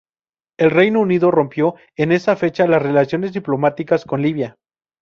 El Reino Unido rompió en esa fecha las relaciones diplomáticas con Libia.